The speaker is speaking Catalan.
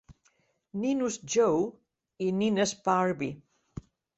Ninos Joe i nines Barbie.